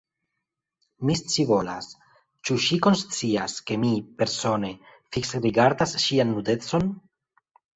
Mi scivolas: ĉu ŝi konscias, ke mi, persone, fiksrigardas ŝian nudecon?